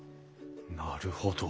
なるほど。